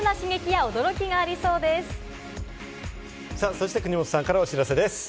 そして、国本さんからお知らせです。